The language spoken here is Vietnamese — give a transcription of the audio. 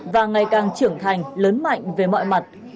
và ngày càng trưởng thành lớn mạnh về mọi mặt